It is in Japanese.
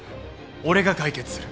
俺が解決する。